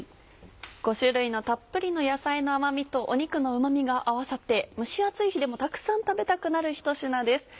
５種類のたっぷりの野菜の甘味と肉のうま味が合わさって蒸し暑い日でもたくさん食べたくなるひと品です。